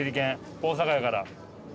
大阪やから。